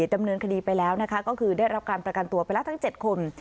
ดำเนินคดีไปแล้วนะคะก็คือได้รับการประกันตัวไปแล้วทั้ง๗คน